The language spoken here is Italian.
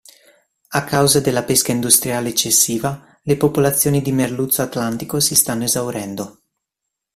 A causa della pesca industriale eccessiva le popolazioni di merluzzo atlantico si stanno esaurendo.